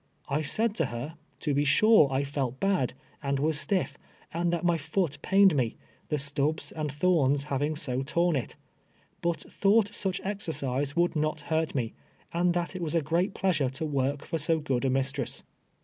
I said to her — to l)e sui'e, I felt l)ad, and was stiff, and that my foot pained nje, the stubs and thorns having so torn it , Ijut thought such exercise would not hurt me, and that it was a great pleasure to work for so good a mistress.